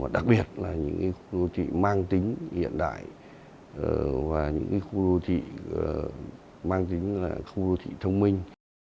đặc biệt là những khu đô thị mang tính hiện đại và những khu đô thị mang tính là khu đô thị thông minh